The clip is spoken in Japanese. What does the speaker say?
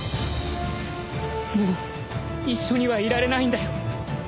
もう一緒にはいられないんだよ